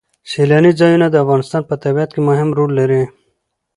سیلانی ځایونه د افغانستان په طبیعت کې مهم رول لري.